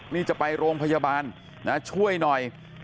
นี่จะไปโรงพยาบาลนะช่วยหน่อย